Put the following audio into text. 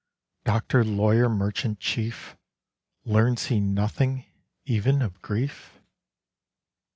Doctor, Lawyer, Merchant, Chief, Learns he nothing, even of grief?